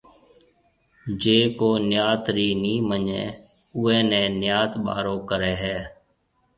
جيَ ڪو نيات رِي نِي مڃيَ اوئيَ نيَ نيات ٻارو ڪري ھيََََ